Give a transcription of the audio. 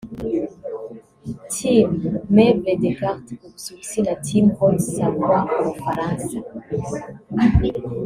Team Meubles Decarte (u Busuwisi) na Team Haute Savoie (u Bufaransa)